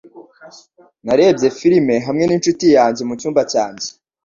Narebye filime hamwe n'inshuti yanjye mu cyumba cyanjye.